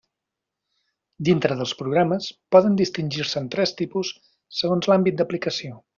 Dintre dels programes, poden distingir-se'n tres tipus segons l'àmbit d'aplicació.